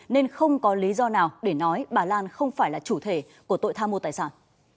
nên không có lý do nào để nói bà lan không phải là chủ thể của tội tham mô tài sản